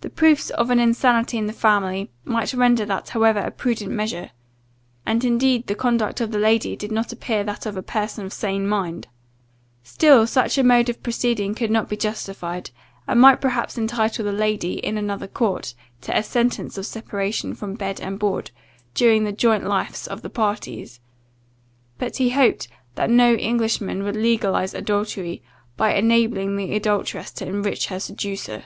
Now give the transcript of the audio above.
The proofs of an insanity in the family, might render that however a prudent measure; and indeed the conduct of the lady did not appear that of a person of sane mind. Still such a mode of proceeding could not be justified, and might perhaps entitle the lady [in another court] to a sentence of separation from bed and board, during the joint lives of the parties; but he hoped that no Englishman would legalize adultery, by enabling the adulteress to enrich her seducer.